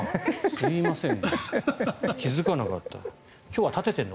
すみません。